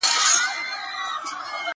یا بیګانه وه لېوني خیالونه!!